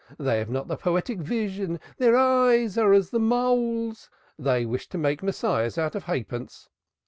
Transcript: They have not the poetic vision, their ideas are as the mole's; they wish to make Messiahs out of half pence.